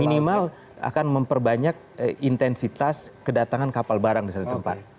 minimal akan memperbanyak intensitas kedatangan kapal barang di satu tempat